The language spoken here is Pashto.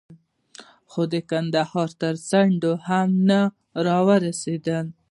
خو د کندهار تر څنډو هم نه را ورسېدل.